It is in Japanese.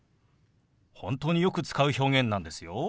本当によく使う表現なんですよ。